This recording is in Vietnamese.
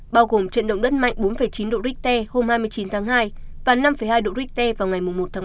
bao gồm trận động đất mạnh bốn chín độ richter hôm hai mươi chín tháng hai và năm hai độ richter vào ngày một tháng một